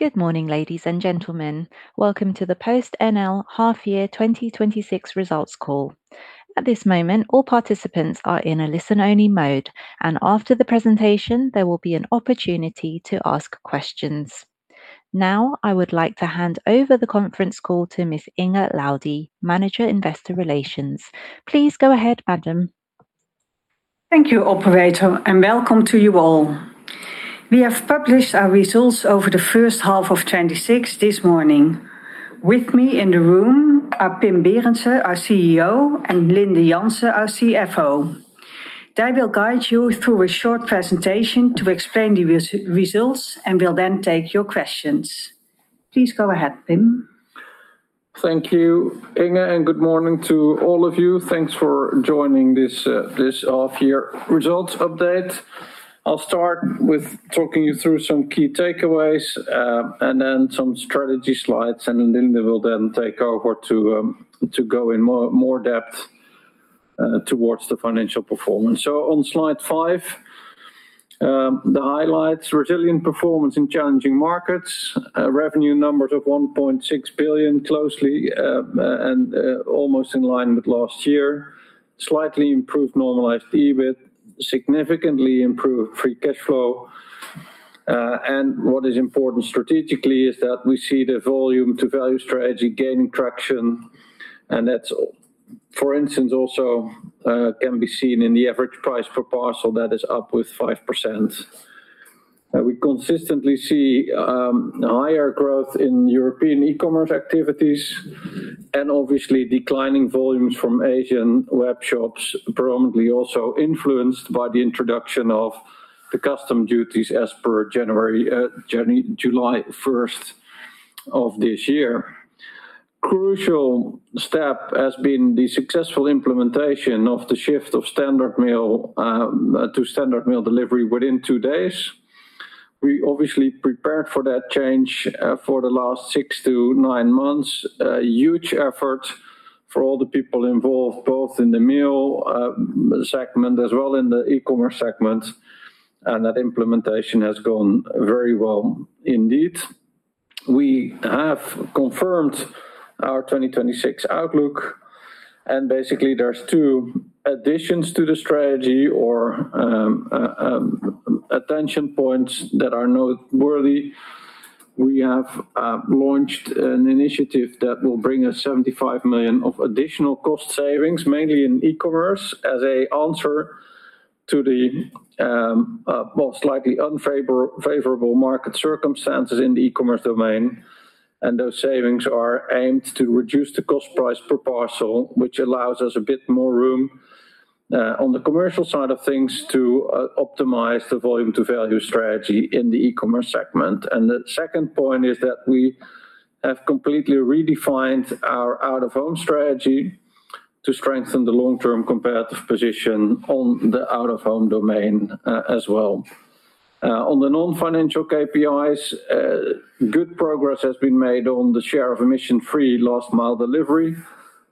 Good morning, ladies and gentlemen. Welcome to the PostNL half year 2026 results call. At this moment, all participants are in a listen-only mode, and after the presentation, there will be an opportunity to ask questions. I would like to hand over the conference call to Ms. Inge Laudy, Manager Investor Relations. Please go ahead, madam. Thank you, operator, and welcome to you all. We have published our results over the first half of 2026 this morning. With me in the room are Pim Berendsen, our CEO, and Linde Jansen, our CFO. They will guide you through a short presentation to explain the results and will then take your questions. Please go ahead, Pim. Thank you, Inge, and good morning to all of you. Thanks for joining this half-year results update. I'll start with talking you through some key takeaways, and then some strategy slides, and Linde will then take over to go in more depth towards the financial performance. On slide five, the highlights, resilient performance in challenging markets. Revenue numbers of 1.6 billion closely and almost in line with last year. Slightly improved normalized EBIT. Significantly improved free cash flow. What is important strategically is that we see the volume to value strategy gaining traction, and that, for instance, also can be seen in the average price per parcel that is up with 5%. We consistently see higher growth in European e-commerce activities and obviously declining volumes from Asian web shops, predominantly also influenced by the introduction of the custom duties as per July 1st of this year. Crucial step has been the successful implementation of the shift to standard mail delivery within two days. We obviously prepared for that change for the last six to nine months. A huge effort for all the people involved, both in the mail segment as well in the e-commerce segment, that implementation has gone very well indeed. We have confirmed our 2026 outlook, basically there's two additions to the strategy or attention points that are noteworthy. We have launched an initiative that will bring us 75 million of additional cost savings, mainly in e-commerce, as an answer to the most likely unfavorable market circumstances in the e-commerce domain. Those savings are aimed to reduce the cost price per parcel, which allows us a bit more room on the commercial side of things to optimize the volume to value strategy in the e-commerce segment. The second point is that we have completely redefined our Out-of-Home strategy to strengthen the long-term competitive position on the Out-of-Home domain as well. On the non-financial KPIs, good progress has been made on the share of emission-free last-mile delivery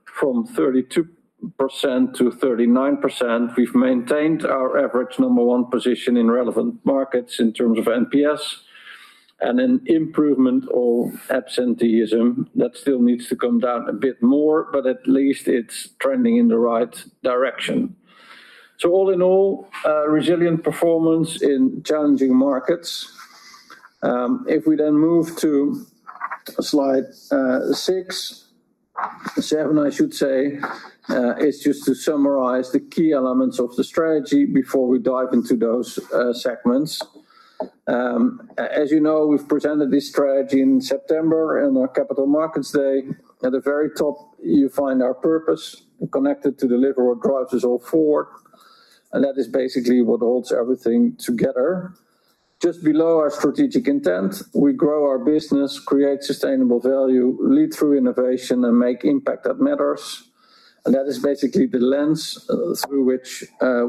from 32%-39%. We've maintained our average number one position in relevant markets in terms of NPS and an improvement of absenteeism that still needs to come down a bit more, but at least it's trending in the right direction. All in all, resilient performance in challenging markets. We then move to slide six, seven I should say, it's just to summarize the key elements of the strategy before we dive into those segments. As you know, we've presented this strategy in September in our Capital Markets Day. At the very top, you find our purpose connected to deliver what drives us all forward, and that is basically what holds everything together. Just below our strategic intent, we grow our business, create sustainable value, lead through innovation, and make impact that matters. That is basically the lens through which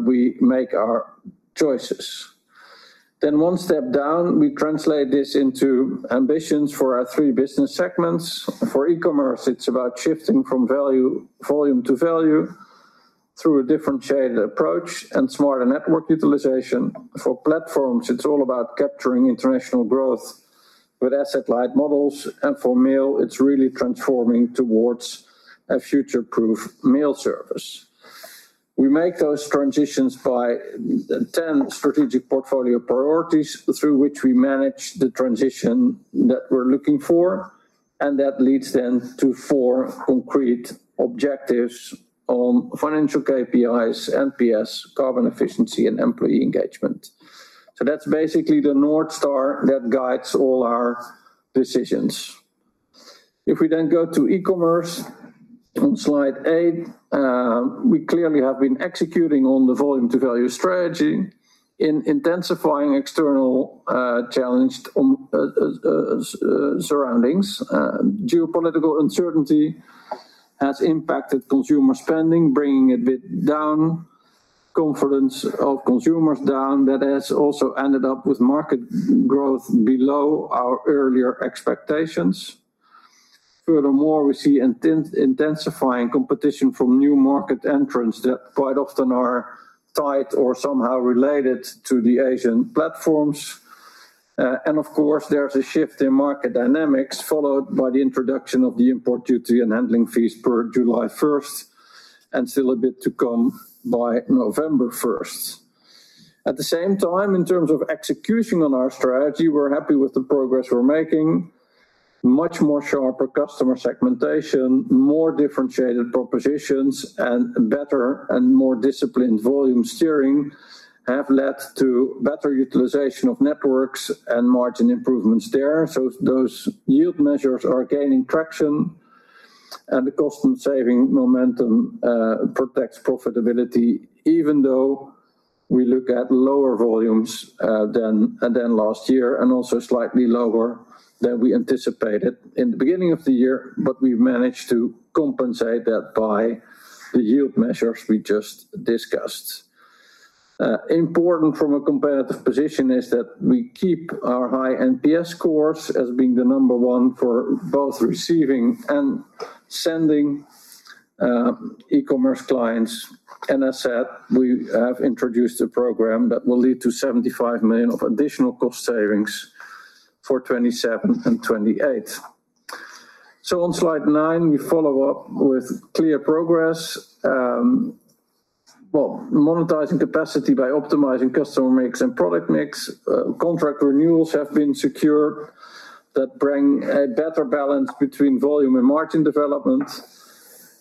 we make our choices. One step down, we translate this into ambitions for our three business segments. For e-commerce, it's about shifting from volume to value through a differentiated approach and smarter network utilization. For platforms, it's all about capturing international growth with asset-light models. For mail, it's really transforming towards a future-proof mail service. We make those transitions by 10 strategic portfolio priorities through which we manage the transition that we're looking for, and that leads then to four concrete objectives on financial KPIs, NPS, carbon efficiency, and employee engagement. That's basically the North Star that guides all our decisions. We then go to e-commerce on slide eight, we clearly have been executing on the volume to value strategy in intensifying external challenged surroundings. Geopolitical uncertainty has impacted consumer spending, bringing a bit down confidence of consumers down. That has also ended up with market growth below our earlier expectations. Furthermore, we see intensifying competition from new market entrants that quite often are tied or somehow related to the Asian platforms. Of course, there's a shift in market dynamics, followed by the introduction of the import duty and handling fees per July 1st, and still a bit to come by November 1st. At the same time, in terms of execution on our strategy, we're happy with the progress we're making. Much more sharper customer segmentation, more differentiated propositions, and better and more disciplined volume steering have led to better utilization of networks and margin improvements there. Those yield measures are gaining traction, and the cost-saving momentum protects profitability, even though we look at lower volumes than last year and also slightly lower than we anticipated in the beginning of the year. We've managed to compensate that by the yield measures we just discussed. Important from a competitive position is that we keep our high NPS scores as being the number one for both receiving and sending e-commerce clients. As said, we have introduced a program that will lead to 75 million of additional cost savings for 2027 and 2028. On slide nine, we follow up with clear progress. Well, monetizing capacity by optimizing customer mix and product mix. Contract renewals have been secured that bring a better balance between volume and margin development.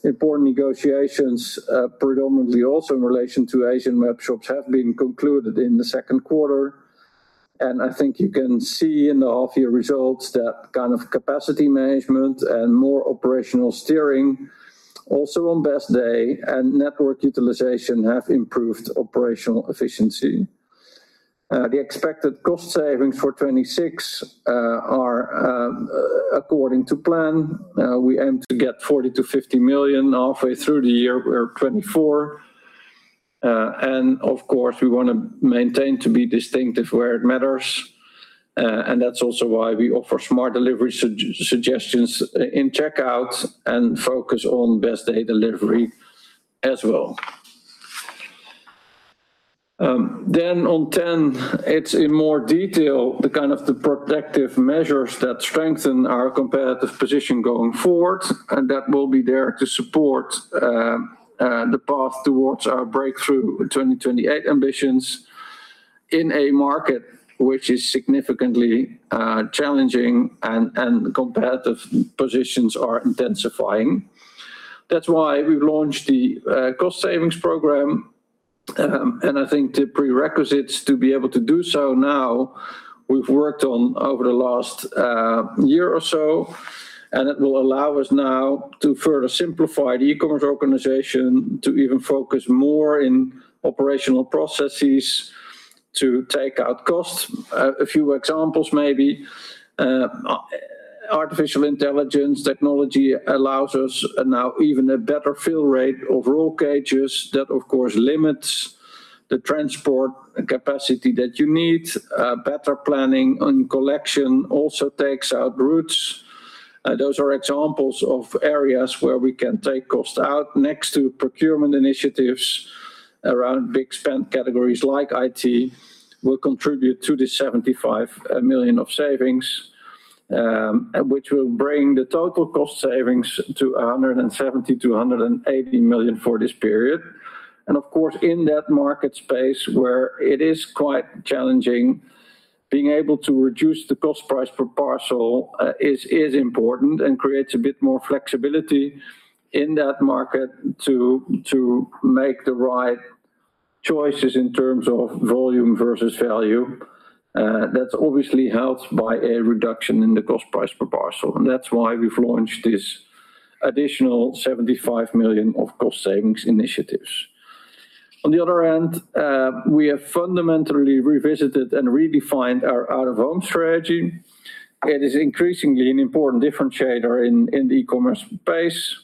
Important negotiations, predominantly also in relation to Asian webshops have been concluded in the second quarter. I think you can see in the half-year results that kind of capacity management and more operational steering, also on best day and network utilization, have improved operational efficiency. The expected cost savings for 2026 are according to plan. We aim to get 40 million-50 million halfway through the year 2024. Of course, we want to maintain to be distinctive where it matters. That's also why we offer smart delivery suggestions in checkout and focus on best day delivery as well. On 10, it's in more detail the kind of the protective measures that strengthen our competitive position going forward and that will be there to support the path towards our breakthrough 2028 ambitions in a market which is significantly challenging and competitive positions are intensifying. That's why we've launched the cost savings program. I think the prerequisites to be able to do so now, we've worked on over the last year or so. It will allow us now to further simplify the e-commerce organization to even focus more in operational processes to take out costs. A few examples maybe, artificial intelligence technology allows us now even a better fill rate of roll cages. That of course limits the transport capacity that you need. Better planning on collection also takes out routes. Those are examples of areas where we can take costs out next to procurement initiatives around big spend categories like IT will contribute to the 75 million of savings, which will bring the total cost savings to 170 million-180 million for this period. Of course, in that market space where it is quite challenging, being able to reduce the cost price per parcel is important and creates a bit more flexibility in that market to make the right choices in terms of volume versus value. That's obviously helped by a reduction in the cost price per parcel. That's why we've launched this additional 75 million of cost savings initiatives. On the other end, we have fundamentally revisited and redefined our Out-of-Home strategy. It is increasingly an important differentiator in the e-commerce space.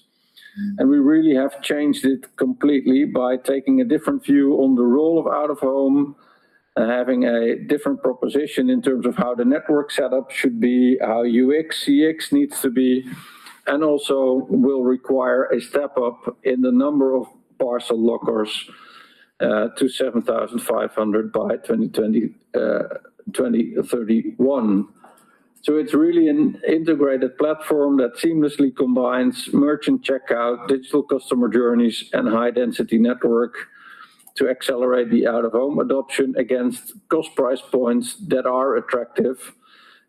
We really have changed it completely by taking a different view on the role of Out-of-Home and having a different proposition in terms of how the network setup should be, how UX, CX needs to be, and also will require a step up in the number of parcel lockers, to 7,500 by 2031. It's really an integrated platform that seamlessly combines merchant checkout, digital customer journeys, and high-density network to accelerate the Out-of-Home adoption against cost price points that are attractive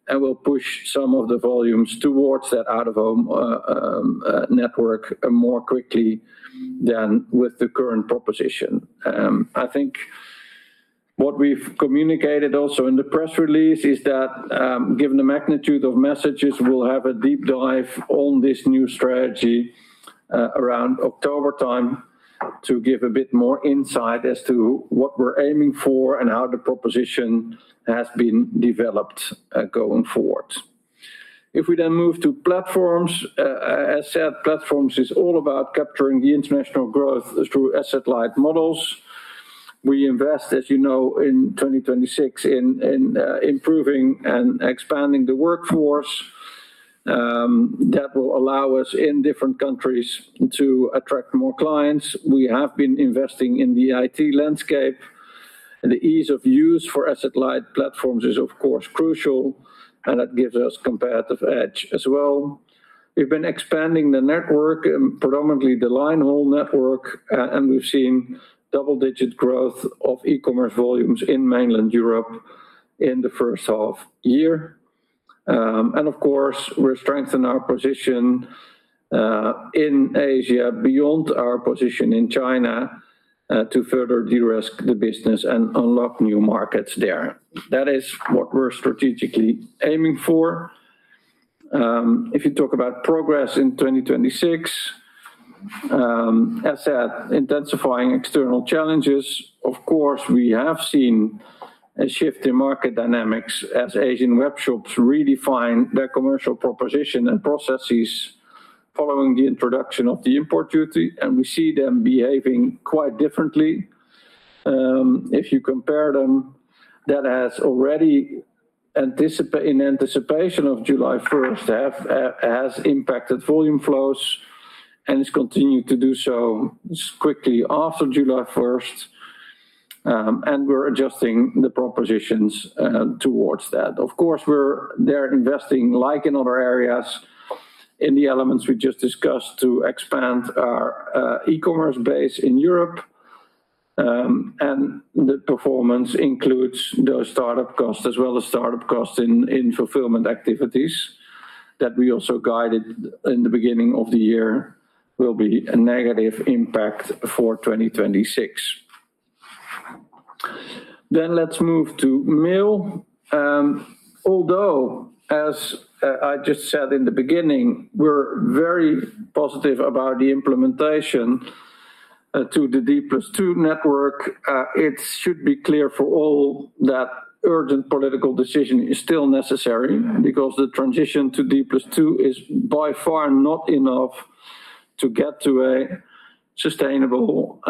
and will push some of the volumes towards that Out-of-Home network more quickly than with the current proposition. I think what we've communicated also in the press release is that, given the magnitude of messages, we'll have a deep dive on this new strategy around October time to give a bit more insight as to what we're aiming for and how the proposition has been developed going forward. As said, platforms is all about capturing the international growth through asset-light models. We invest, as you know, in 2026, in improving and expanding the workforce. That will allow us in different countries to attract more clients. We have been investing in the IT landscape, and the ease of use for asset-light platforms is of course crucial, and that gives us competitive edge as well. We've been expanding the network, predominantly the line-haul network, and we've seen double-digit growth of e-commerce volumes in mainland Europe in the first half year. We're strengthening our position in Asia beyond our position in China to further de-risk the business and unlock new markets there. That is what we're strategically aiming for. If we talk about progress in 2026. As said, intensifying external challenges. We have seen a shift in market dynamics as Asian webshops redefine their commercial proposition and processes following the introduction of the import duty, and we see them behaving quite differently. That has already, in anticipation of July 1st, has impacted volume flows and has continued to do so quickly after July 1st, and we're adjusting the propositions towards that. They're investing, like in other areas, in the elements we just discussed to expand our e-commerce base in Europe. The performance includes those start-up costs as well as start-up costs in fulfillment activities that we also guided in the beginning of the year will be a negative impact for 2026. Let's move to mail. Although, as I just said in the beginning, we're very positive about the implementation to the D+2 network. It should be clear for all that urgent political decision is still necessary because the transition to D+2 is by far not enough to get to a sustainable,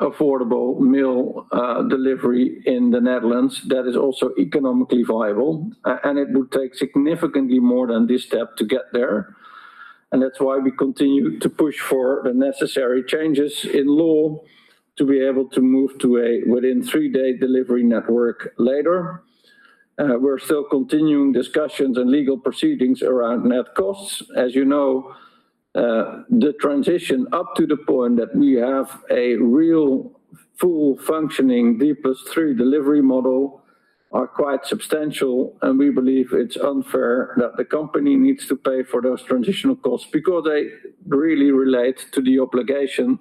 affordable mail delivery in the Netherlands that is also economically viable. It will take significantly more than this step to get there. That's why we continue to push for the necessary changes in law to be able to move to a within three-day delivery network later. We're still continuing discussions and legal proceedings around net costs. As you know, the transition up to the point that we have a real full functioning D+3 delivery model are quite substantial, and we believe it's unfair that the company needs to pay for those transitional costs because they really relate to the obligation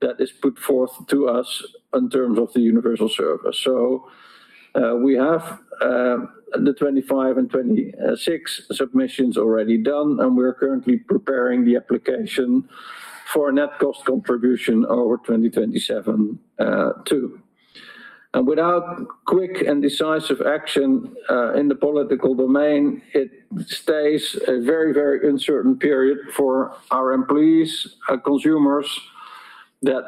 that is put forth to us in terms of the universal service. We have the 2025 and 2026 submissions already done, and we're currently preparing the application for a net cost contribution over 2027 too. Without quick and decisive action in the political domain, it stays a very uncertain period for our employees, our consumers that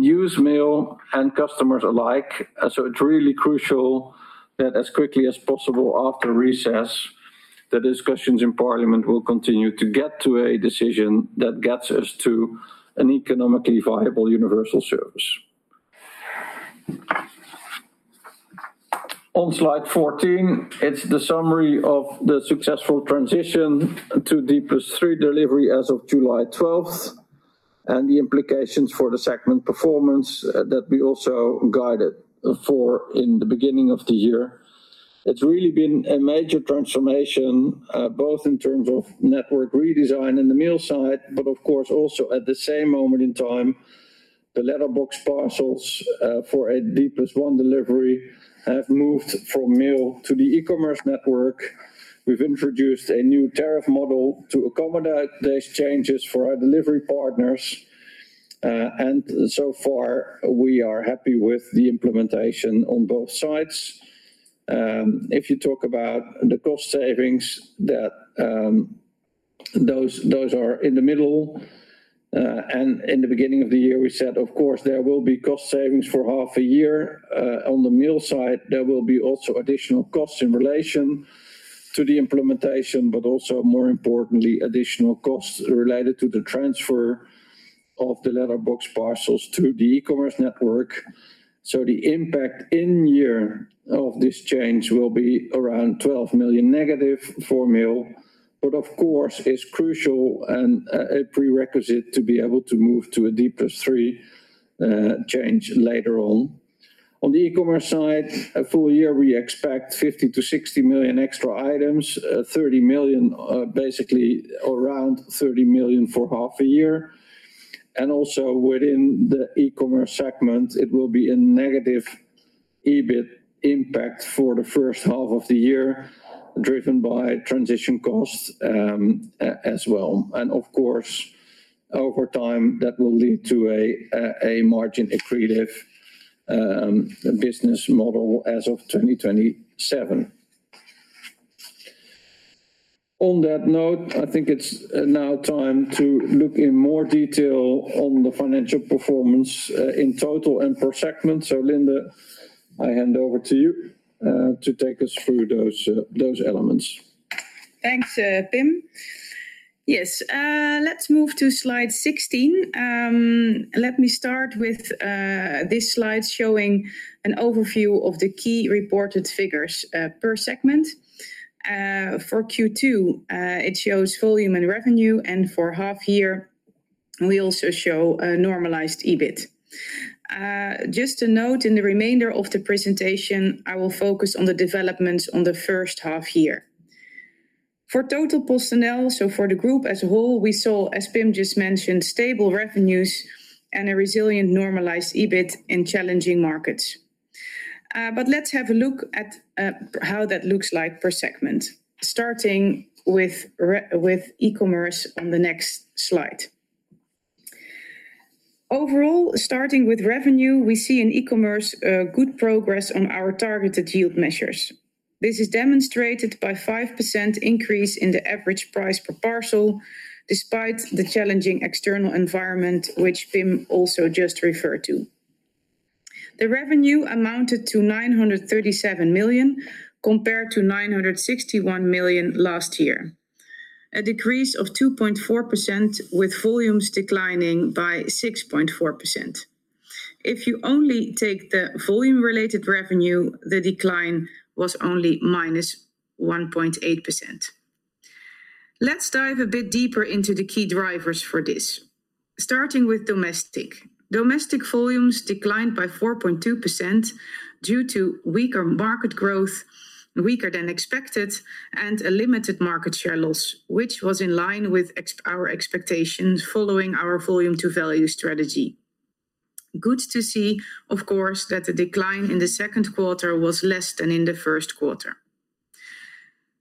use mail, and customers alike. It's really crucial that as quickly as possible after recess, the discussions in Parliament will continue to get to a decision that gets us to an economically viable universal service. On slide 14, it's the summary of the successful transition to D+3 delivery as of July 12th and the implications for the segment performance that we also guided for in the beginning of the year. It's really been a major transformation both in terms of network redesign in the mail side, but of course also at the same moment in time, the letter box parcels for a D+1 delivery have moved from mail to the e-commerce network. We've introduced a new tariff model to accommodate these changes for our delivery partners. So far, we are happy with the implementation on both sides. If you talk about the cost savings, those are in the middle. In the beginning of the year, we said, of course, there will be cost savings for half a year. On the mail side, there will be also additional costs in relation to the implementation. Also more importantly, additional costs related to the transfer of the letter box parcels to the e-commerce network. The impact in year of this change will be around 12 million- for mail, but of course, it's crucial and a prerequisite to be able to move to a D+3 change later on. On the e-commerce side, full year, we expect 50 million-60 million extra items, basically around 30 million for half a year. Also within the e-commerce segment, it will be a negative EBIT impact for the first half of the year, driven by transition costs as well. Of course, over time, that will lead to a margin-accretive business model as of 2027. On that note, I think it's now time to look in more detail on the financial performance in total and per segment. Linde, I hand over to you to take us through those elements. Thanks, Pim. Yes. Let's move to slide 16. Let me start with this slide showing an overview of the key reported figures per segment. For Q2, it shows volume and revenue, and for half year, we also show normalized EBIT. Just to note, in the remainder of the presentation, I will focus on the developments on the first half year. For total PostNL, so for the group as a whole, we saw, as Pim just mentioned, stable revenues and a resilient normalized EBIT in challenging markets. Let's have a look at how that looks like per segment, starting with e-commerce on the next slide. Overall, starting with revenue, we see in e-commerce a good progress on our targeted yield measures. This is demonstrated by a 5% increase in the average price per parcel, despite the challenging external environment which Pim also just referred to. The revenue amounted to 937 million, compared to 961 million last year, a decrease of 2.4% with volumes declining by 6.4%. If you only take the volume-related revenue, the decline was only -1.8%. Let's dive a bit deeper into the key drivers for this, starting with domestic. Domestic volumes declined by 4.2% due to weaker market growth, weaker than expected, and a limited market share loss, which was in line with our expectations following our volume to value strategy. Good to see, of course, that the decline in the second quarter was less than in the first quarter.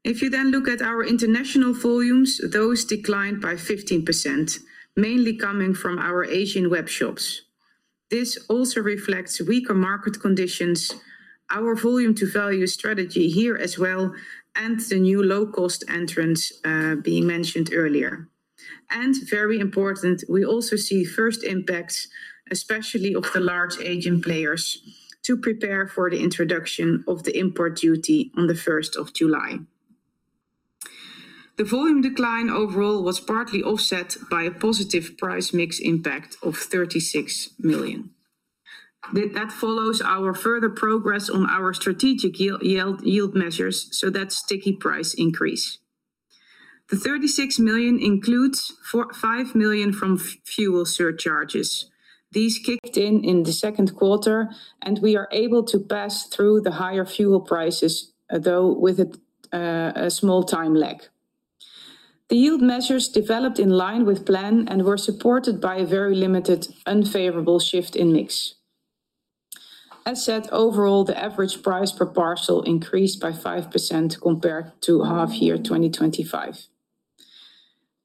If you then look at our international volumes, those declined by 15%, mainly coming from our Asian web shops. This also reflects weaker market conditions, our volume to value strategy here as well, and the new low-cost entrants being mentioned earlier. Very important, we also see first impacts, especially of the large Asian players, to prepare for the introduction of the import duty on the 1st of July. The volume decline overall was partly offset by a positive price mix impact of 36 million. That follows our further progress on our strategic yield measures, so that sticky price increase. The 36 million includes 5 million from fuel surcharges. These kicked in in the second quarter, and we are able to pass through the higher fuel prices, although with a small-time lag. The yield measures developed in line with plan and were supported by a very limited unfavorable shift in mix. As said, overall, the average price per parcel increased by 5% compared to half year 2025.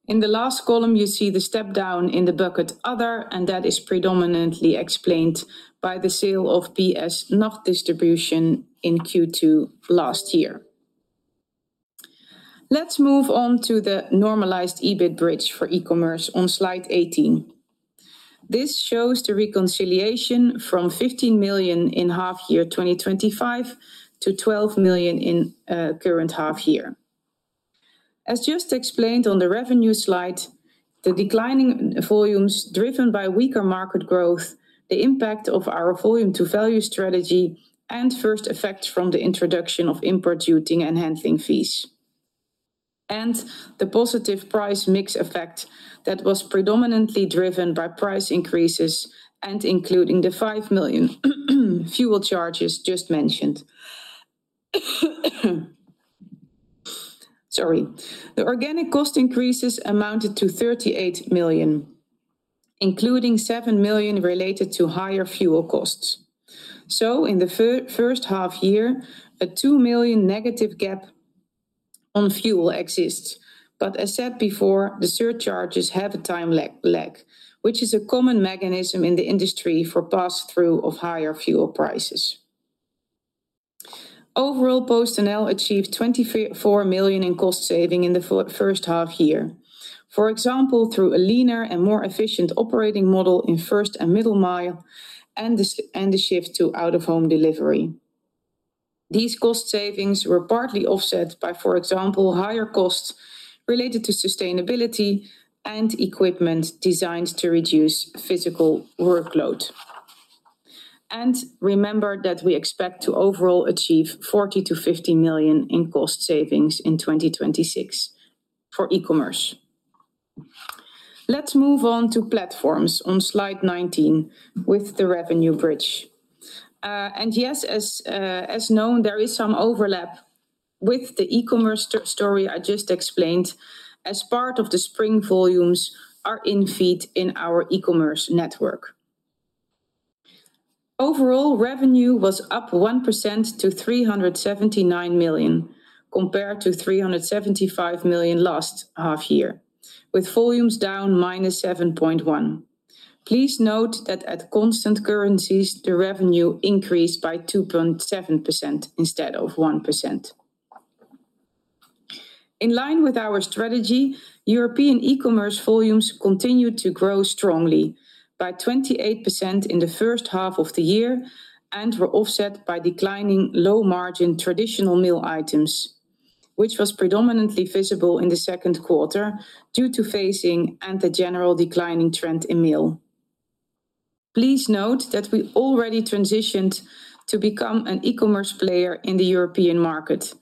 In the last column, you see the step down in the bucket other, and that is predominantly explained by the sale of PS Nachtdistributie in Q2 last year. Let's move on to the normalized EBIT bridge for e-commerce on slide 18. This shows the reconciliation from 15 million in half year 2025 to 12 million in current half year. As just explained on the revenue slide, the declining volumes driven by weaker market growth, the impact of our volume to value strategy, and first effects from the introduction of import duty and handling fees. The positive price mix effect that was predominantly driven by price increases and including the 5 million fuel charges just mentioned. Sorry. The organic cost increases amounted to 38 million, including 7 million related to higher fuel costs. So, in the first half year, a 2 million negative gap on fuel exists. As said before, the surcharges have a time lag, which is a common mechanism in the industry for pass-through of higher fuel prices. Overall, PostNL achieved 24 million in cost saving in the first half year. For example, through a leaner and more efficient operating model in first and middle mile, and the shift to Out-of-Home delivery. These cost savings were partly offset by, for example, higher costs related to sustainability and equipment designed to reduce physical workload. And remember that we expect to overall achieve 40 million-50 million in cost savings in 2026 for e-commerce. Let's move on to platforms on slide 19 with the revenue bridge. Yes, as known, there is some overlap with the e-commerce story I just explained as part of the Spring volumes are in feed in our e-commerce network. Overall, revenue was up 1% to 379 million, compared to 375 million last half-year. With volumes down -7.1%. Please note that at constant currencies, the revenue increased by 2.7% instead of 1%. In line with our strategy, European e-commerce volumes continued to grow strongly by 28% in the first half-year and were offset by declining low-margin traditional mail items, which was predominantly visible in the second quarter due to phasing and the general declining trend in mail. Please note that we already transitioned to become an e-commerce player in the European market,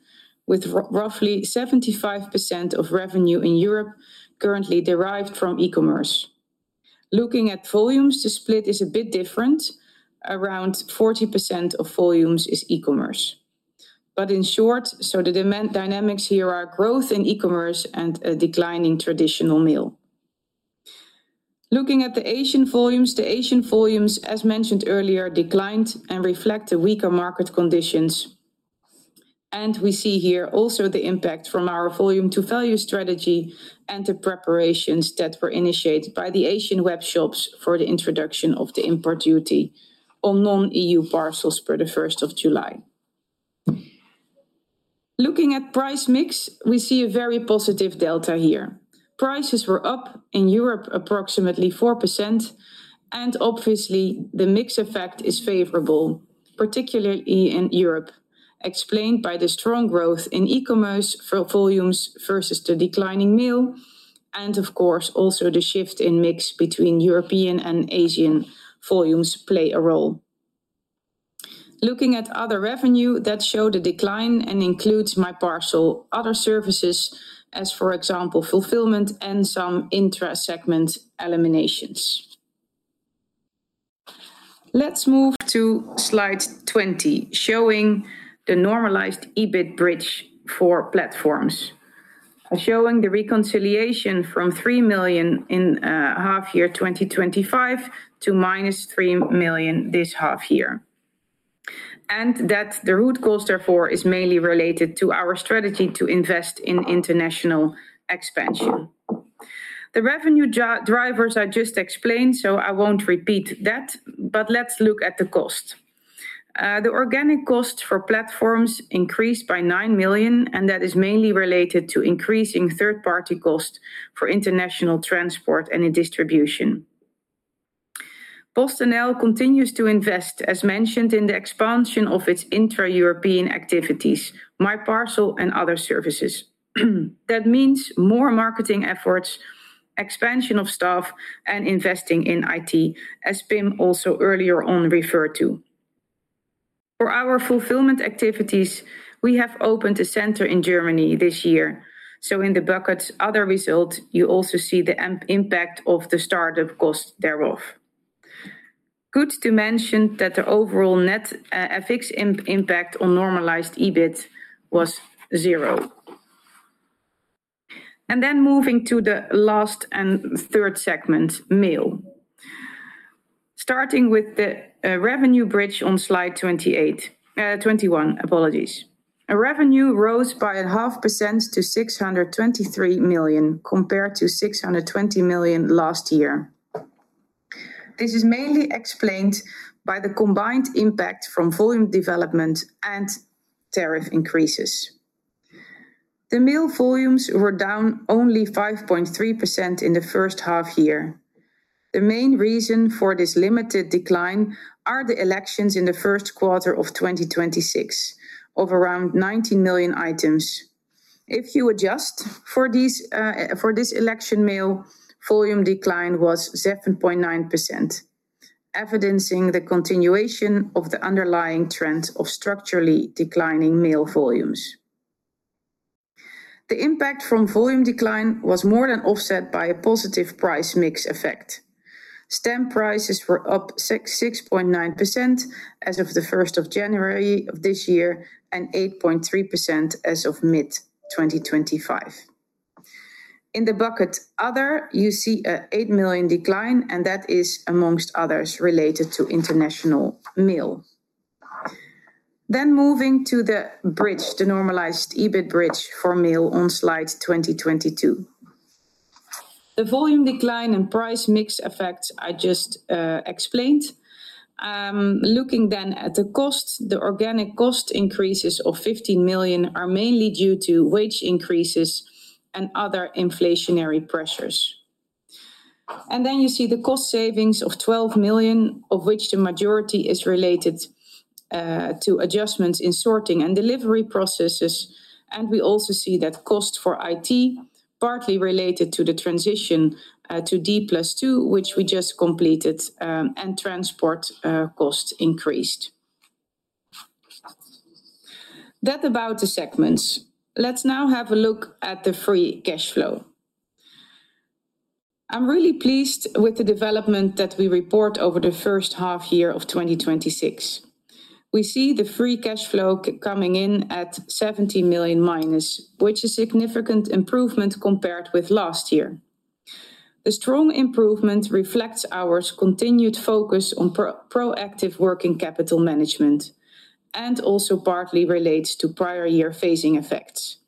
with roughly 75% of revenue in Europe currently derived from e-commerce. Looking at volumes, the split is a bit different. Around 40% of volumes is e-commerce. In short, the demand dynamics here are growth in e-commerce and a decline in traditional mail. Looking at the Asian volumes, as mentioned earlier, declined and reflect the weaker market conditions. We see here also the impact from our volume to value strategy and the preparations that were initiated by the Asian web shops for the introduction of the import duty on non-EU parcels for the 1st of July. Looking at price mix, we see a very positive delta here. Prices were up in Europe approximately 4%. Obviously, the mix effect is favorable, particularly in Europe, explained by the strong growth in e-commerce for volumes versus the declining mail. Of course, also the shift in mix between European and Asian volumes play a role. Looking at other revenue, that showed a decline and includes MyParcel, other services as, for example, fulfillment and some intra-segment eliminations. Let's move to slide 20, showing the normalized EBIT bridge for platforms. Showing the reconciliation from 3 million in half-year 2025 to -3 million this half-year. That the root cause therefore is mainly related to our strategy to invest in international expansion. The revenue drivers I just explained. I won't repeat that. Let's look at the cost. The organic costs for platforms increased by 9 million, and that is mainly related to increasing third-party cost for international transport and in distribution. PostNL continues to invest, as mentioned, in the expansion of its intra-European activities, MyParcel and other services. That means more marketing efforts, expansion of staff and investing in IT, as Pim also earlier on referred to. For our fulfillment activities, we have opened a center in Germany this year. In the bucket other results, you also see the impact of the startup cost thereof. Good to mention that the overall net FX impact on normalized EBIT was zero. Moving to the last and third segment, mail. Starting with the revenue bridge on slide 21, apologies. Revenue rose by 0.5% to 623 million, compared to 620 million last year. This is mainly explained by the combined impact from volume development and tariff increases. The mail volumes were down only 5.3% in the first half-year. The main reason for this limited decline are the elections in the first quarter of 2026 of around 90 million items. If you adjust for this election mail, volume decline was 7.9%, evidencing the continuation of the underlying trend of structurally declining mail volumes. The impact from volume decline was more than offset by a positive price mix effect. Stamp prices were up 6.9% as of the 1st of January of this year and 8.3% as of mid-2025. In the bucket other, you see an 8 million decline, and that is, among others, related to international mail. Moving to the bridge, the normalized EBIT bridge for mail on slide 22. The volume decline and price mix effects I just explained. Looking at the cost, the organic cost increases of 15 million are mainly due to wage increases and other inflationary pressures. You see the cost savings of 12 million, of which the majority is related to adjustments in sorting and delivery processes. We also see that cost for IT, partly related to the transition to D+2, which we just completed, and transport costs increased. That about the segments. Let's now have a look at the free cash flow. I am really pleased with the development that we report over the first half year of 2026. We see the free cash flow coming in at 70 million-, which is significant improvement compared with last year. The strong improvement reflects our continued focus on proactive working capital management and also partly relates to prior year phasing effects.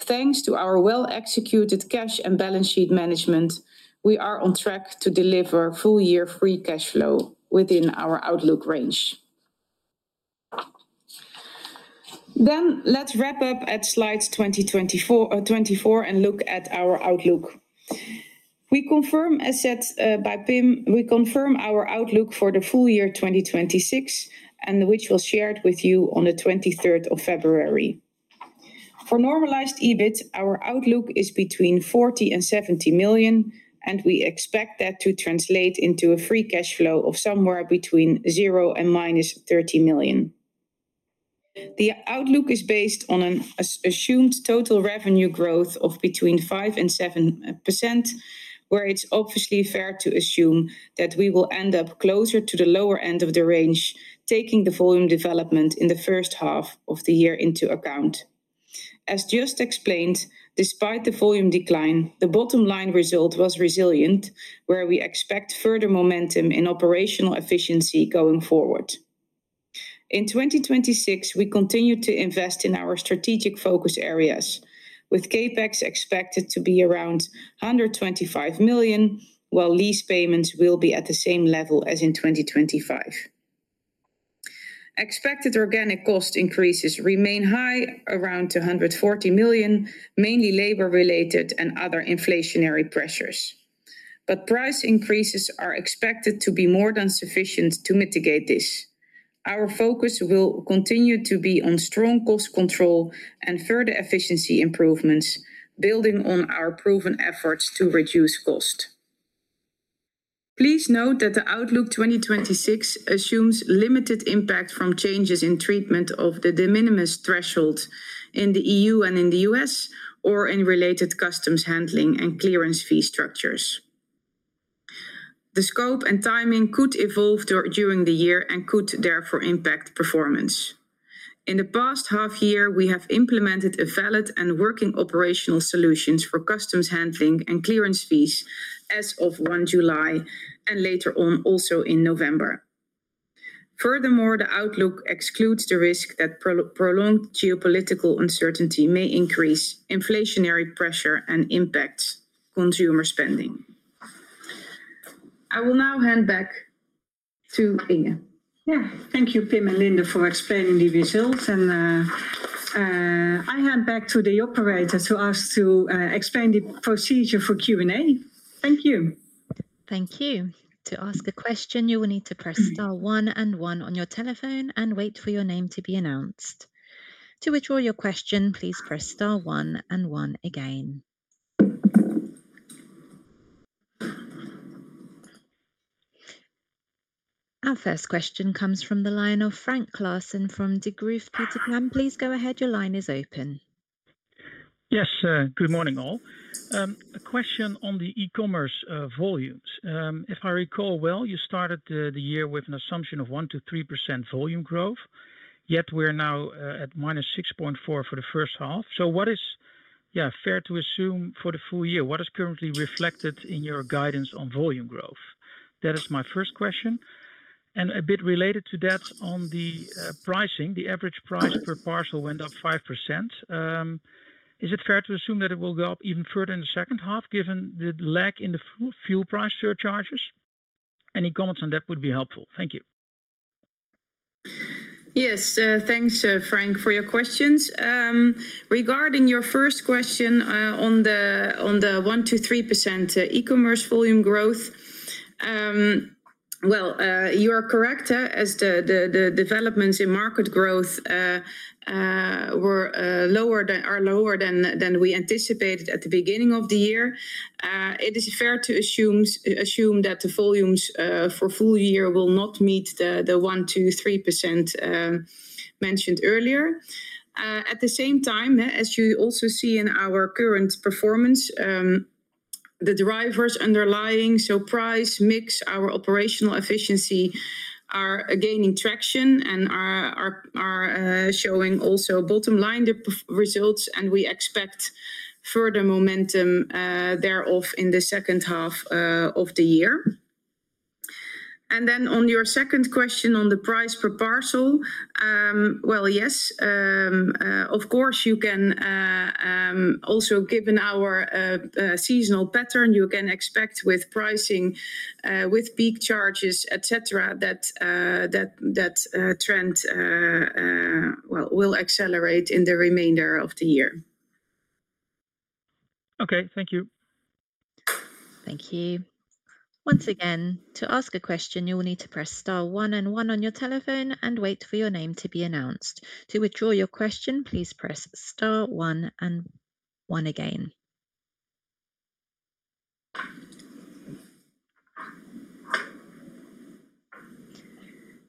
Thanks to our well-executed cash and balance sheet management, we are on track to deliver full year free cash flow within our outlook range. Let's wrap up at slide 24 and look at our outlook. We confirm as said by Pim, we confirm our outlook for the full year 2026 and which we will share it with you on the 23rd of February. For normalized EBIT, our outlook is between 40 million and 70 million, and we expect that to translate into a free cash flow of somewhere between zero and -30 million. The outlook is based on an assumed total revenue growth of between 5% and 7%, where it is obviously fair to assume that we will end up closer to the lower end of the range, taking the volume development in the first half of the year into account. As just explained, despite the volume decline, the bottom-line result was resilient, where we expect further momentum in operational efficiency going forward. In 2026, we continue to invest in our strategic focus areas, with CapEx expected to be around 125 million, while lease payments will be at the same level as in 2025. Expected organic cost increases remain high, around 240 million, mainly labor related and other inflationary pressures. Price increases are expected to be more than sufficient to mitigate this. Our focus will continue to be on strong cost control and further efficiency improvements, building on our proven efforts to reduce cost. Please note that the outlook 2026 assumes limited impact from changes in treatment of the de minimis threshold in the EU and in the U.S. or in related customs handling and clearance fee structures. The scope and timing could evolve during the year and could therefore impact performance. In the past half year, we have implemented a valid and working operational solutions for customs handling and clearance fees as of one July and later on also in November. The outlook excludes the risk that prolonged geopolitical uncertainty may increase inflationary pressure and impact consumer spending. I will now hand back to Inge. Thank you, Pim and Linde, for explaining the results. I hand back to the operator to ask to explain the procedure for Q&A. Thank you. Thank you. To ask a question, you will need to press star one and one on your telephone and wait for your name to be announced. To withdraw your question, please press star one and one again. Our first question comes from the line of Frank Claassen from Degroof Petercam. Please go ahead. Your line is open. Good morning all. A question on the e-commerce volumes. If I recall well, you started the year with an assumption of 1% to 3% volume growth, yet we are now at -6.4% for the first half. What is fair to assume for the full year? What is currently reflected in your guidance on volume growth? That is my first question. A bit related to that, on the pricing, the average price per parcel went up 5%. Is it fair to assume that it will go up even further in the second half given the lack in the fuel price surcharges? Any comments on that would be helpful. Thank you. Thanks Frank for your questions. Regarding your first question on the 1% to 3% e-commerce volume growth. You are correct as the developments in market growth are lower than we anticipated at the beginning of the year. It is fair to assume that the volumes for full year will not meet the 1% to 3% mentioned earlier. At the same time, as you also see in our current performance, the drivers underlying, so price, mix, our operational efficiency are gaining traction and are showing also bottom-line results and we expect further momentum thereof in the second half of the year. Then on your second question on the price per parcel. Yes, of course you can also given our seasonal pattern, you can expect with pricing, with peak charges, etc, that trend will accelerate in the remainder of the year. Okay. Thank you. Thank you. Once again, to ask a question, you will need to press star one and one on your telephone and wait for your name to be announced. To withdraw your question, please press star one and one again.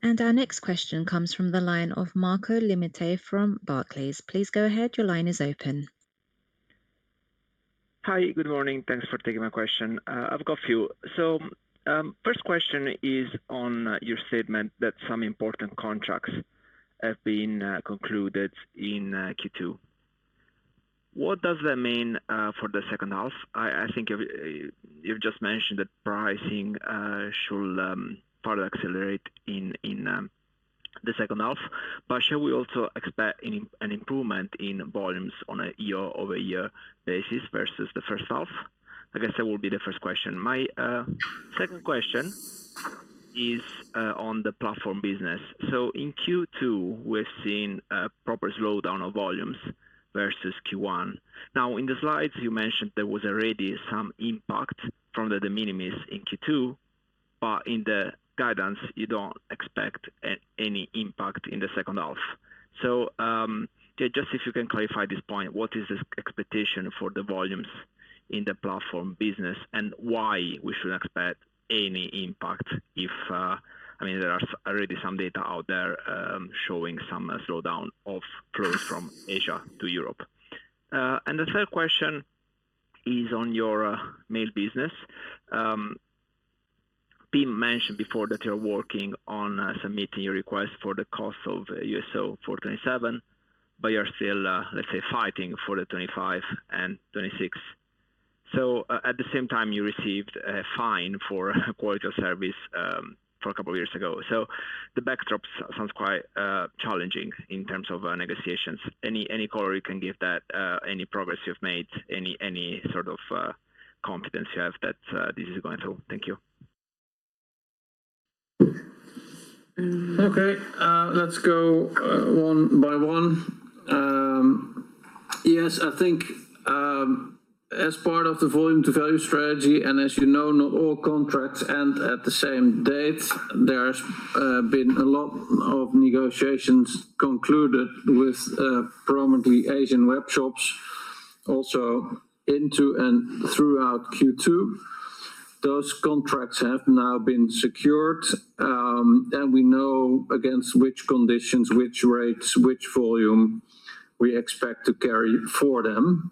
Our next question comes from the line of Marco Limite from Barclays. Please go ahead, your line is open. Hi. Good morning. Thanks for taking my question. I've got a few. First question is on your statement that some important contracts have been concluded in Q2. What does that mean for the second half? I think you've just mentioned that pricing should further accelerate in the second half. But should we also expect an improvement in volumes on a year-over-year basis versus the first half? I guess that will be the first question. My second question is on the platform business. In Q2, we're seeing a proper slowdown of volumes versus Q1. Now, in the slides you mentioned there was already some impact from the de minimis in Q2, but in the guidance, you don't expect any impact in the second half. Just if you can clarify this point, what is the expectation for the volumes in the platform business and why we should expect any impact? There are already some data out there showing some slowdown of flows from Asia to Europe. The third question is on your mail business. Pim mentioned before that you're working on submitting your request for the cost of USO for 2027, but you're still, let's say, fighting for the 2025 and 2026. At the same time, you received a fine for quality of service for a couple of years ago. The backdrop sounds quite challenging in terms of negotiations. Any color you can give that? Any progress you've made? Any sort of confidence you have that this is going through? Thank you. Okay. Let's go one by one. As you know, not all contracts end at the same date. There has been a lot of negotiations concluded with prominently Asian web shops also into and throughout Q2. Those contracts have now been secured. We know against which conditions, which rates, which volume we expect to carry for them.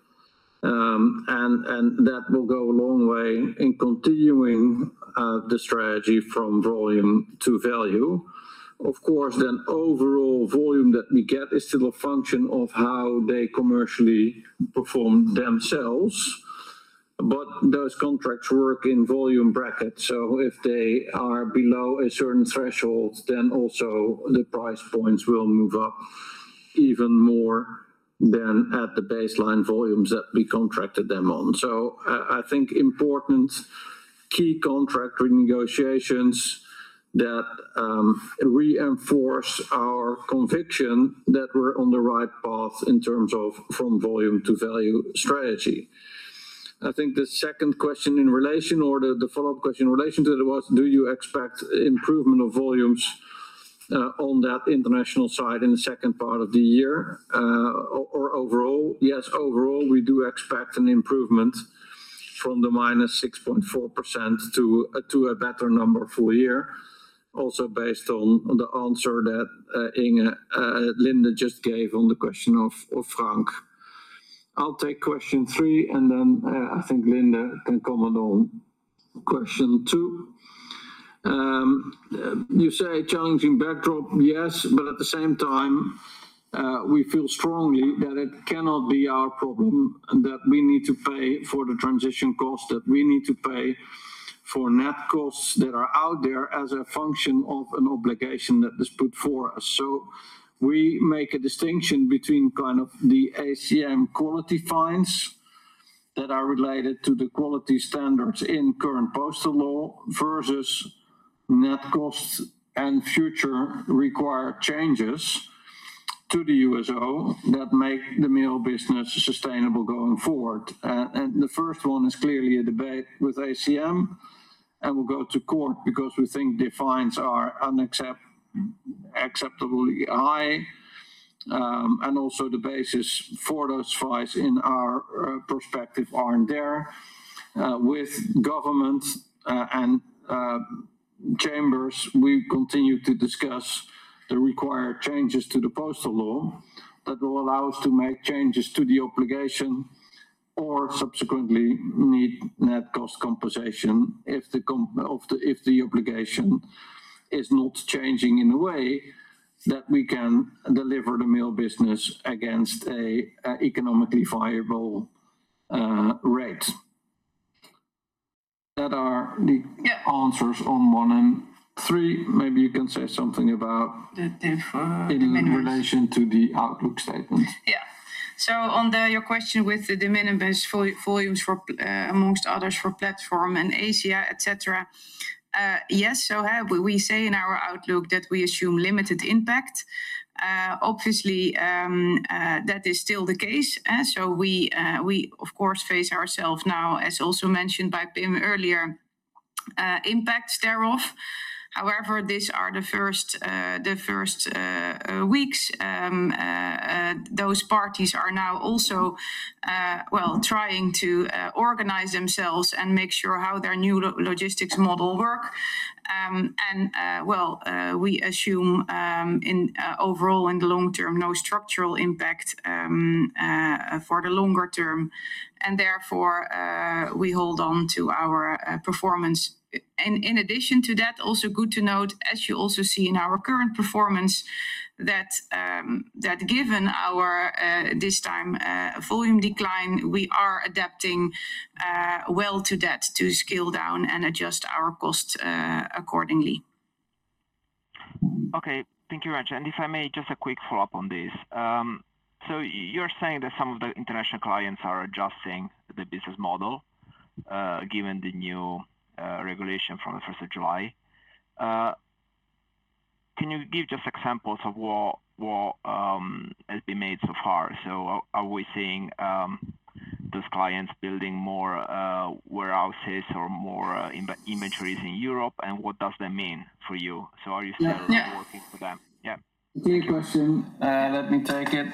That will go a long way in continuing the strategy from volume to value. Of course, overall volume that we get is still a function of how they commercially perform themselves. Those contracts work in volume brackets, if they are below a certain threshold, also the price points will move up even more than at the baseline volumes that we contracted them on. I think important key contract renegotiations that reinforce our conviction that we're on the right path in terms of from volume to value strategy. I think the second question in relation or the follow-up question in relation to it was, do you expect improvement of volumes on that international side in the second part of the year or overall? Yes, overall, we do expect an improvement from the -6.4% to a better number full year. Also, based on the answer that Linde just gave on the question of Frank. I'll take question three, then I think Linde can comment on question two. You say challenging backdrop. Yes. At the same time, we feel strongly that it cannot be our problem, that we need to pay for the transition cost, that we need to pay for net costs that are out there as a function of an obligation that is put for us. We make a distinction between kind of the ACM quality fines that are related to the quality standards in current postal law versus net costs and future required changes to the USO that make the mail business sustainable going forward. The first one is clearly a debate with ACM, we'll go to court because we think the fines are unacceptably high. Also the basis for those fines in our perspective aren't there. With government and chambers, we continue to discuss the required changes to the postal law that will allow us to make changes to the obligation or subsequently need net cost compensation if the obligation is not changing in a way that we can deliver the mail business against an economically viable rate. Yeah answers on one and three. Maybe you can say something about. The de minimis. in relation to the outlook statement. Yeah. On your question with the de minimis volumes for among others, for platform and Asia, etc. Yes. We say in our outlook that we assume limited impact. Obviously, that is still the case. We of course face ourselves now, as also mentioned by Pim earlier, impacts thereof. However, these are the first weeks. Those parties are now also, well, trying to organize themselves and make sure how their new logistics model work. Well, we assume in overall, in the long term, no structural impact for the longer term. Therefore, we hold on to our performance. In addition to that, also good to note, as you also see in our current performance, that given our, this time, volume decline, we are adapting to that to scale down and adjust our costs accordingly. Okay. Thank you very much. If I may, just a quick follow-up on this. You're saying that some of the international clients are adjusting the business model, given the new regulation from the 1st of July. Can you give just examples of what has been made so far? Are we seeing those clients building more warehouses or more inventories in Europe and what does that mean for you? Are you still working for them? Yeah. Good question. Let me take it.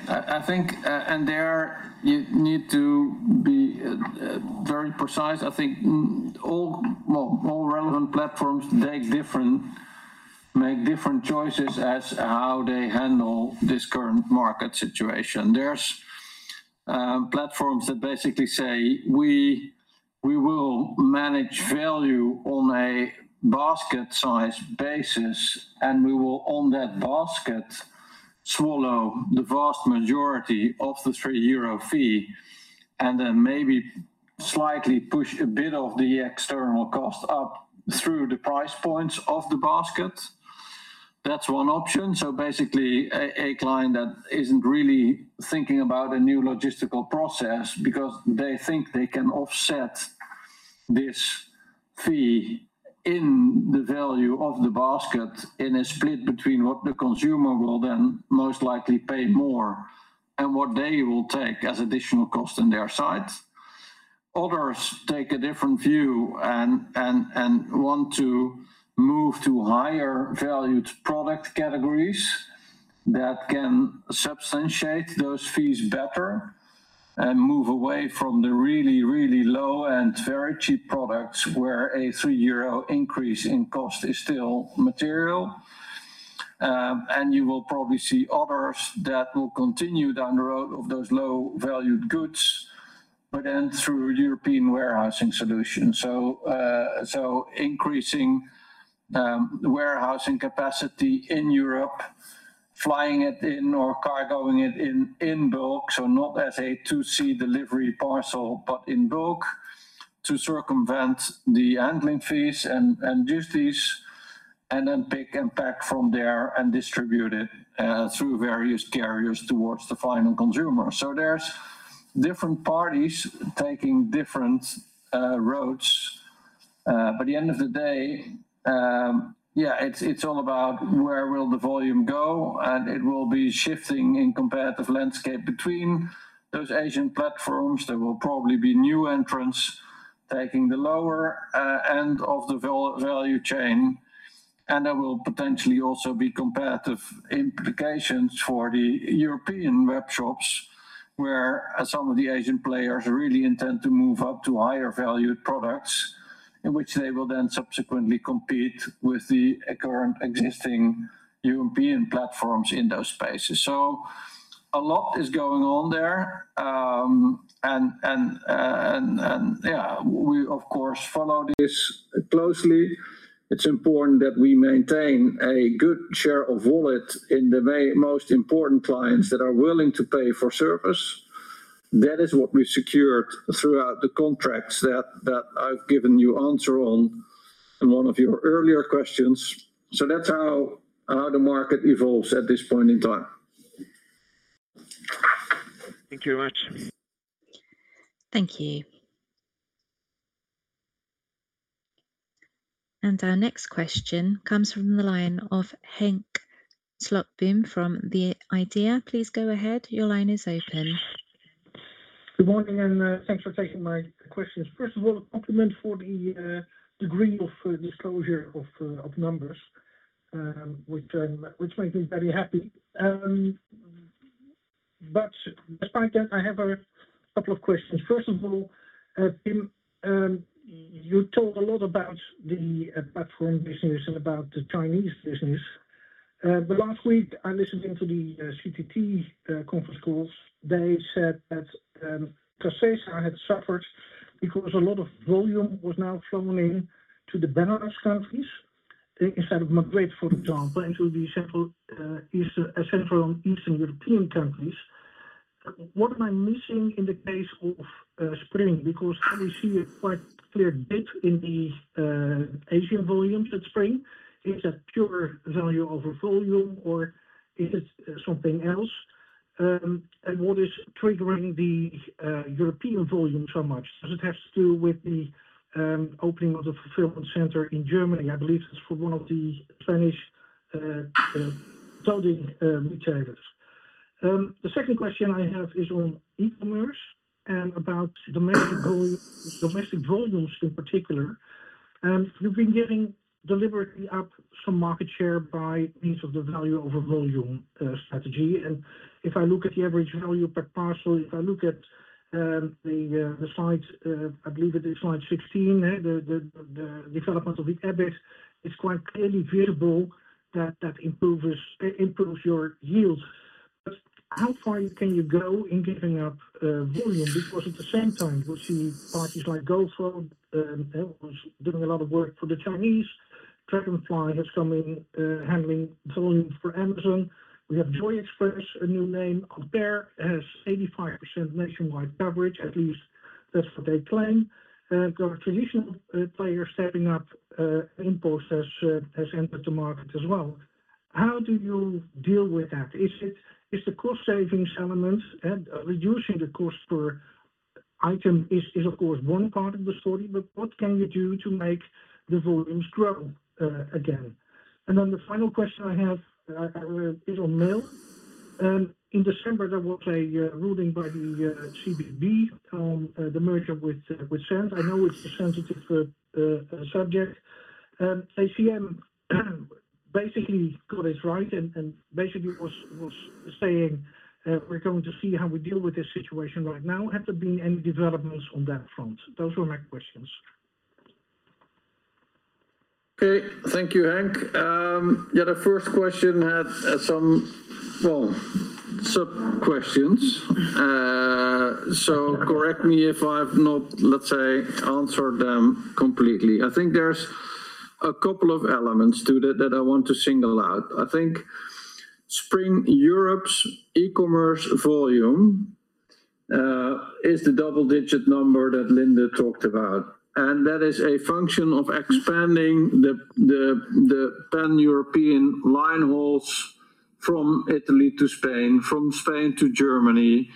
In there you need to be very precise. All relevant platforms make different choices as how they handle this current market situation. There's platforms that basically say, "We will manage value on a basket size basis, and we will, on that basket, swallow the vast majority of the 3 euro fee, and then maybe slightly push a bit of the external cost up through the price points of the basket." That's one option. Basically, a client that isn't really thinking about a new logistical process because they think they can offset this fee in the value of the basket in a split between what the consumer will then most likely pay more and what they will take as additional cost on their side. Others take a different view and want to move to higher valued product categories that can substantiate those fees better and move away from the really, really low and very cheap products where a 3 euro increase in cost is still material. You will probably see others that will continue down the road of those low valued goods, but then through European warehousing solutions. Increasing warehousing capacity in Europe, flying it in or cargoing it in bulk, not as a to-C delivery parcel, but in bulk to circumvent the handling fees and duties, and then pick and pack from there and distribute it through various carriers towards the final consumer. There's different parties taking different routes. By the end of the day, yeah, it's all about where will the volume go, and it will be shifting in comparative landscape between those Asian platforms. There will probably be new entrants taking the lower end of the value chain, and there will potentially also be comparative implications for the European web shops, where some of the Asian players really intend to move up to higher valued products, in which they will then subsequently compete with the current existing European platforms in those spaces. A lot is going on there. Yeah, we of course follow this closely. It's important that we maintain a good share of wallet in the most important clients that are willing to pay for service. That is what we secured throughout the contracts that I've given you answer on in one of your earlier questions. That's how the market evolves at this point in time. Thank you very much. Thank you. Our next question comes from the line of Henk Slotboom from The IDEA!. Please go ahead. Your line is open. Good morning, thanks for taking my questions. First of all, a compliment for the degree of disclosure of numbers, which makes me very happy. Despite that, I have a couple of questions. First of all, Pim, you talked a lot about the platform business and about the Chinese business. Last week, I listened in to the CTT conference calls. They said that Cacesa had suffered because a lot of volume was now flowing to the Benelux countries, instead of Madrid, for example, and to the central Eastern European countries. What am I missing in the case of Spring? I will see a quite clear dip in the Asian volumes at Spring. Is that pure value over volume or is it something else? What is triggering the European volume so much? Does it have to do with the opening of the fulfillment center in Germany? I believe it's for one of the Spanish retailers. The second question I have is on e-commerce and about domestic volumes in particular. You've been giving deliberately up some market share by means of the value over volume strategy. If I look at the average value per parcel, if I look at the slides, I believe it is slide 16, the development of the EBIT, it's quite clearly visible that that improves your yields. How far can you go in giving up volume? At the same time, we see parties like Go-funs, was doing a lot of work for the Chinese Dragonfly has come in handling volumes for Amazon. We have JoyExpress, a new name. Bear has 85% nationwide coverage, at least that's what they claim. Got a traditional player stepping up, Impulse has entered the market as well. How do you deal with that? Is the cost savings element and reducing the cost per item, of course, one part of the story, but what can you do to make the volumes grow again? The final question I have is on mail. In December, there was a ruling by the CBb on the merger with Sandd. I know it's a sensitive subject. ACM basically got this right and basically was saying, "We're going to see how we deal with this situation right now." Have there been any developments on that front? Those were my questions. Okay. Thank you, Henk. The first question had some sub-questions. Correct me if I've not, let's say, answered them completely. I think there's a couple of elements to that that I want to single out. I think Spring Europe's e-commerce volume is the double-digit number that Linde talked about. That is a function of expanding the pan-European line hauls from Italy to Spain, from Spain to Germany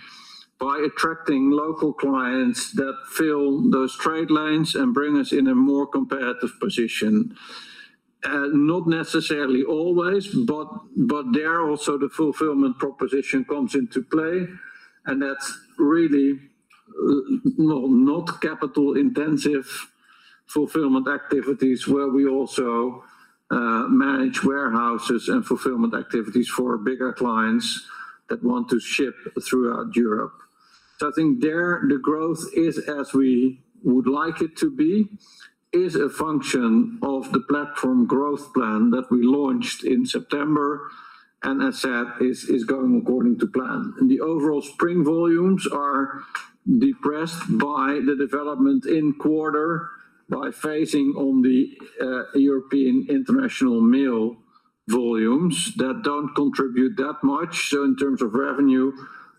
by attracting local clients that fill those trade lanes and bring us in a more competitive position. Not necessarily always, there also the fulfillment proposition comes into play, and that's really not capital-intensive fulfillment activities where we also manage warehouses and fulfillment activities for bigger clients that want to ship throughout Europe. I think there, the growth is as we would like it to be, is a function of the platform growth plan that we launched in September, and as said, is going according to plan. The overall Spring volumes are depressed by the development in quarter by phasing on the European international mail volumes that don't contribute that much. In terms of revenue,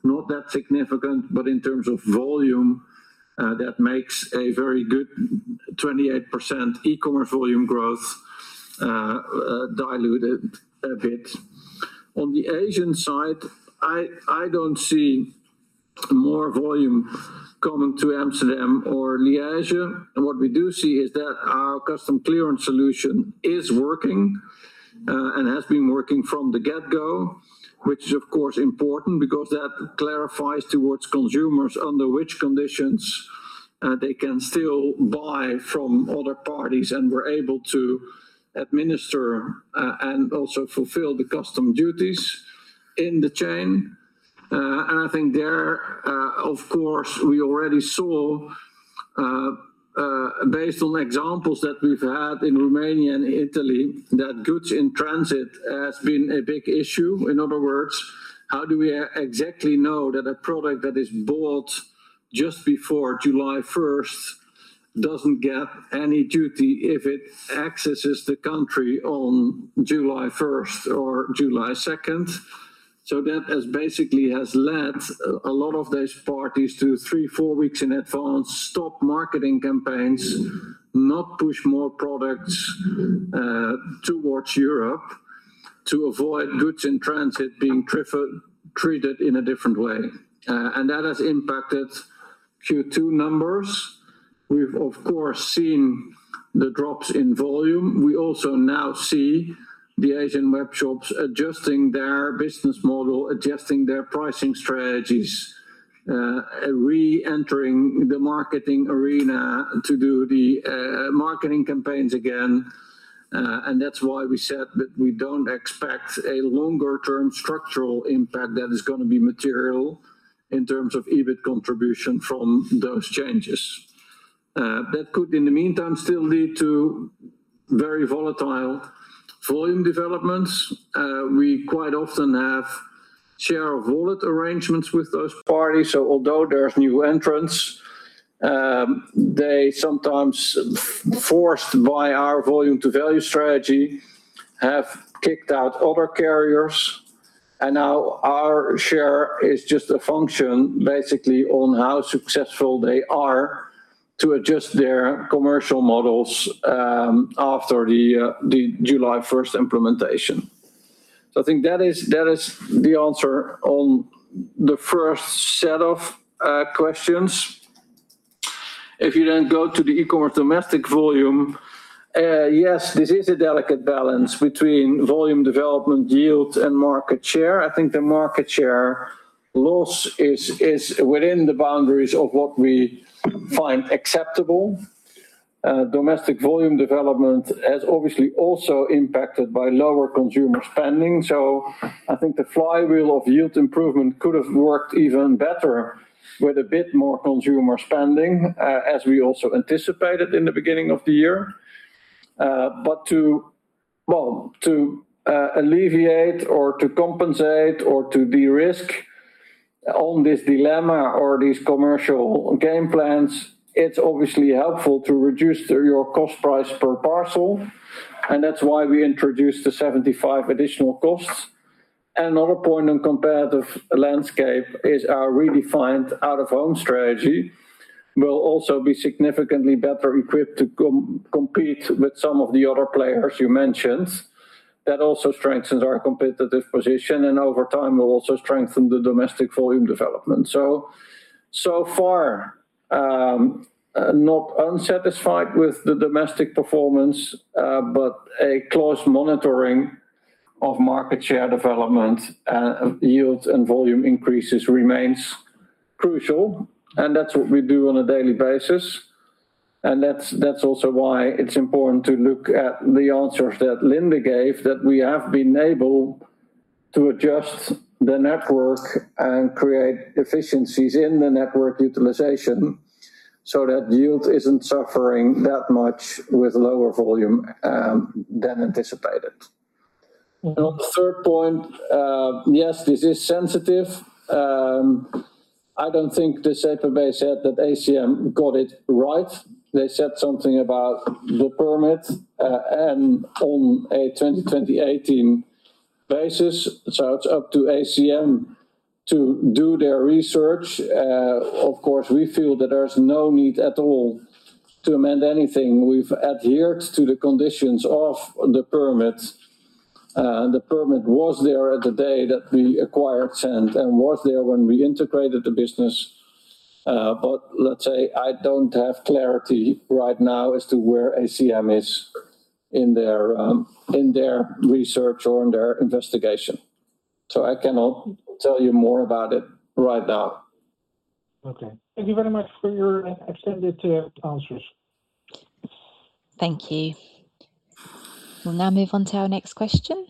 not that significant, but in terms of volume, that makes a very good 28% e-commerce volume growth diluted a bit. On the Asian side, I don't see more volume coming to Amsterdam or Liege. What we do see is that our custom clearance solution is working and has been working from the get-go, which is, of course, important because that clarifies towards consumers under which conditions they can still buy from other parties. We're able to administer and also fulfill the custom duties in the chain. I think there, of course, we already saw based on examples that we've had in Romania and Italy, that goods in transit has been a big issue. In other words, how do we exactly know that a product that is bought just before July 1st doesn't get any duty if it accesses the country on July 1st or July 2nd? That basically has led a lot of those parties to, three, four weeks in advance, stop marketing campaigns, not push more products towards Europe to avoid goods in transit being treated in a different way. That has impacted Q2 numbers. We've, of course, seen the drops in volume. We also now see the Asian web shops adjusting their business model, adjusting their pricing strategies, reentering the marketing arena to do the marketing campaigns again. That's why we said that we don't expect a longer-term structural impact that is going to be material in terms of EBIT contribution from those changes. That could, in the meantime, still lead to very volatile volume developments. We quite often have share wallet arrangements with those parties, so although there are new entrants, they sometimes, forced by our volume to value strategy, have kicked out other carriers, and now our share is just a function basically on how successful they are to adjust their commercial models after the July 1st implementation. I think that is the answer on the first set of questions. If you then go to the e-commerce domestic volume, yes, this is a delicate balance between volume development, yield, and market share. I think the market share loss is within the boundaries of what we find acceptable. Domestic volume development is obviously also impacted by lower consumer spending. I think the flywheel of yield improvement could have worked even better with a bit more consumer spending, as we also anticipated in the beginning of the year. To alleviate or to compensate or to de-risk on this dilemma or these commercial game plans, it's obviously helpful to reduce your cost price per parcel, and that's why we introduced the 75 additional costs. Another point on competitive landscape is our redefined Out-of-Home strategy will also be significantly better equipped to compete with some of the other players you mentioned. That also strengthens our competitive position and over time, will also strengthen the domestic volume development. So far, not unsatisfied with the domestic performance, but a close monitoring of market share development, yields and volume increases remains crucial, and that's what we do on a daily basis. That's also why it's important to look at the answers that Linde gave, that we have been able to adjust the network and create efficiencies in the network utilization so that yield isn't suffering that much with lower volume than anticipated. On the third point, yes, this is sensitive. I don't think the CBb said that ACM got it right. They said something about the permit, and on a 2018 basis. It's up to ACM to do their research. Of course, we feel that there's no need at all to amend anything. We've adhered to the conditions of the permit. The permit was there the day that we acquired Sandd and was there when we integrated the business. Let's say I don't have clarity right now as to where ACM is in their research or in their investigation. I cannot tell you more about it right now. Okay. Thank you very much for your extended answers. Thank you. We'll now move on to our next question.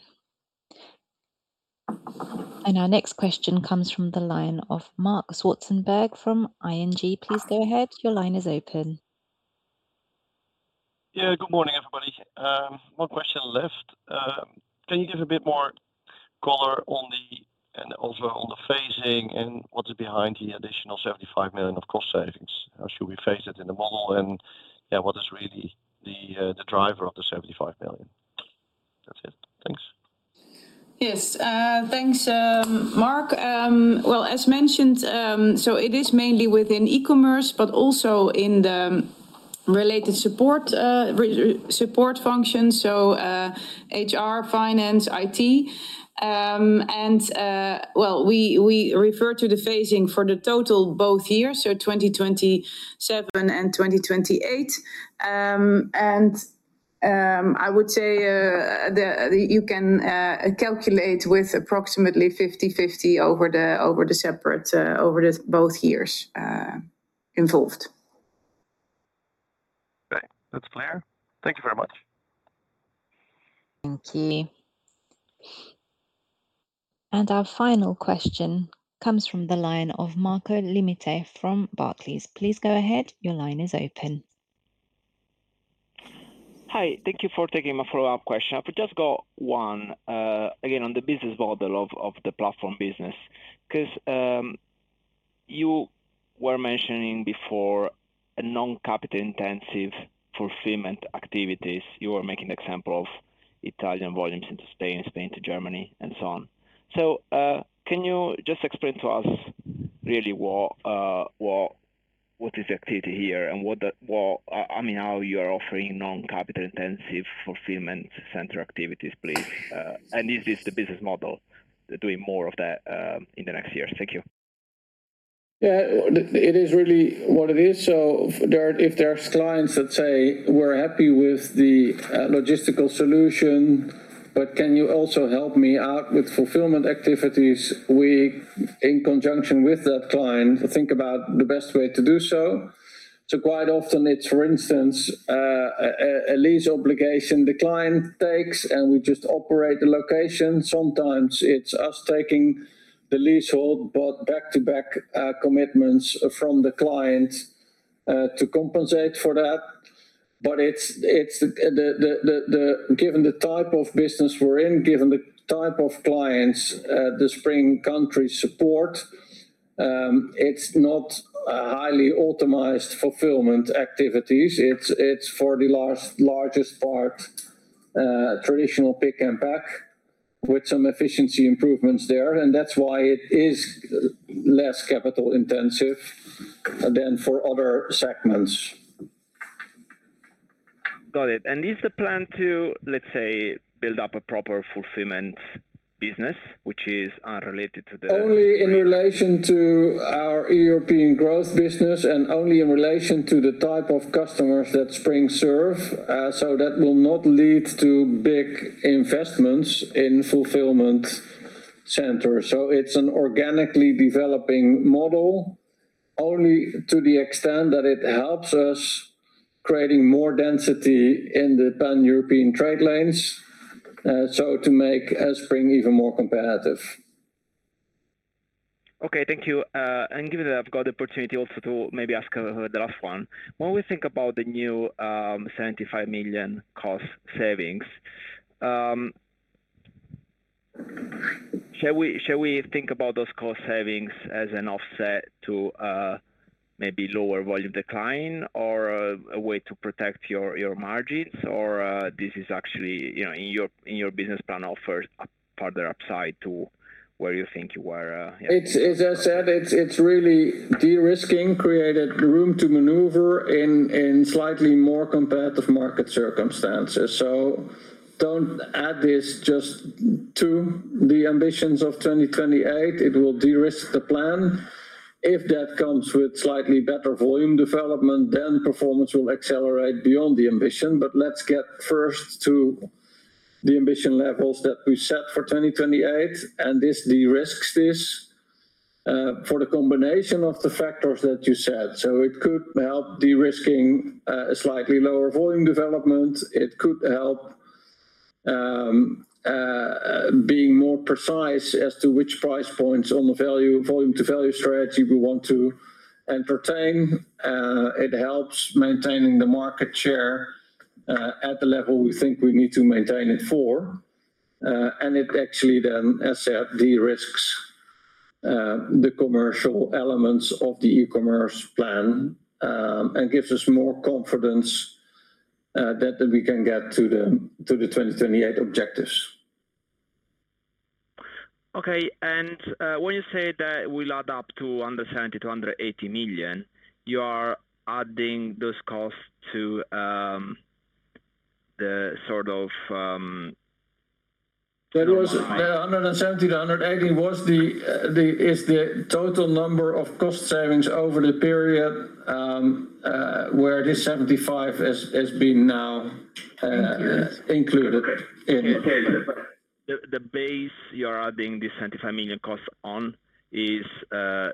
Our next question comes from the line of Marc Zwartsenburg from ING. Please go ahead. Your line is open. Yeah, good morning, everybody. One question left. Can you give a bit more color on the phasing and what is behind the additional 75 million of cost savings? How should we phase it in the model and what is really the driver of the 75 million? That's it. Thanks. Yes, thanks, Marc. Well, as mentioned, it is mainly within e-commerce, but also in the related support functions, so HR, finance, IT. We refer to the phasing for the total both years, so 2027 and 2028. I would say you can calculate with approximately 50/50 over the both years involved. Okay, that's clear. Thank you very much. Thank you. Our final question comes from the line of Marco Limite from Barclays. Please go ahead. Your line is open. Hi. Thank you for taking my follow-up question. I've just got one, again, on the business model of the platform business, because you were mentioning before a non-capital intensive fulfillment activities. You were making the example of Italian volumes into Spain to Germany and so on. Can you just explain to us really what is activity here and how you are offering non-capital intensive fulfillment center activities, please? Is this the business model doing more of that in the next years? Thank you. Yeah, it is really what it is. If there's clients that say, "We're happy with the logistical solution, but can you also help me out with fulfillment activities?" We, in conjunction with that client, think about the best way to do so. Quite often it's, for instance, a lease obligation the client takes, and we just operate the location. Sometimes it's us taking the leasehold, but back-to-back commitments from the client to compensate for that. Given the type of business we're in, given the type of clients the Spring GDS support, it's not a highly automated fulfillment activities. It's for the largest part a traditional pick and pack with some efficiency improvements there, and that's why it is less capital intensive than for other segments. Got it. Is the plan to, let's say, build up a proper fulfillment business, which is unrelated to the Only in relation to our European growth business and only in relation to the type of customers that Spring serve. That will not lead to big investments in fulfillment centers. It's an organically developing model only to the extent that it helps us creating more density in the Pan-European trade lanes, to make Spring even more competitive. Okay, thank you. Given that I've got the opportunity also to maybe ask the last one. When we think about the new 75 million cost savings, shall we think about those cost savings as an offset to maybe lower volume decline or a way to protect your margins? This is actually, in your business plan offers further upside to where you think you were As I said, it's really de-risking, created room to maneuver in slightly more competitive market circumstances. Do not add this just to the ambitions of 2028. It will de-risk the plan. If that comes with slightly better volume development, performance will accelerate beyond the ambition. Let's get first to the ambition levels that we set for 2028, this de-risks this, for the combination of the factors that you said. It could help de-risking a slightly lower volume development. It could help being more precise as to which price points on the volume to value strategy we want to entertain. It helps maintaining the market share at the level we think we need to maintain it for. It actually then, as said, de-risks the commercial elements of the e-commerce plan, gives us more confidence that we can get to the 2028 objectives. Okay. When you say that it will add up to 170 million-180 million, you are adding those costs to the sort of- The EUR 170 million-EUR 18 million is the total number of cost savings over the period, where this 75 has been now included in. The base you are adding the 75 million cost on is the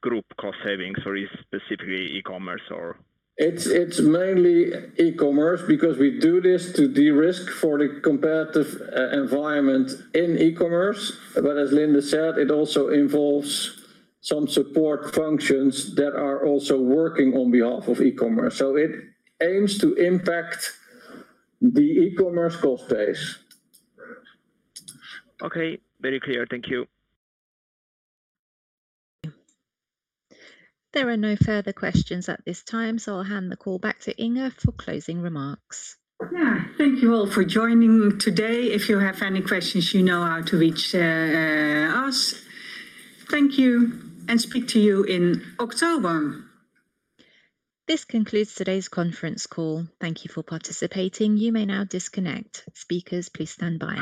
group cost savings or is specifically e-commerce or? It's mainly e-commerce because we do this to de-risk for the competitive environment in e-commerce. As Linde said, it also involves some support functions that are also working on behalf of e-commerce. It aims to impact the e-commerce cost base. Okay. Very clear. Thank you. There are no further questions at this time, so I'll hand the call back to Inge for closing remarks. Yeah. Thank you all for joining today. If you have any questions, you know how to reach us. Thank you and speak to you in October. This concludes today's conference call. Thank you for participating. You may now disconnect. Speakers, please stand by.